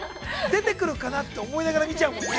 出てくるかな？と思いながら見ちゃうもんね。